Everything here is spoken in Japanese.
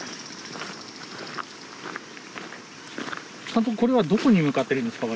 監督これはどこに向かってるんですか？